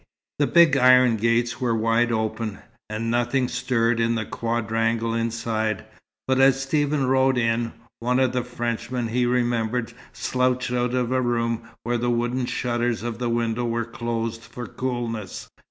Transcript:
The big iron gates were wide open, and nothing stirred in the quadrangle inside; but as Stephen rode in, one of the Frenchmen he remembered slouched out of a room where the wooden shutters of the window were closed for coolness.